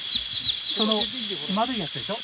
その丸いやつでしょ？